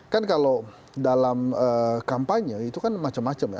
kan kalau dalam kampanye itu kan macam macam ya